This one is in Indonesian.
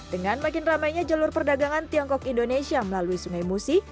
dengan makin ramainya jalur perdagangan tiongkok indonesia melalui sungai musi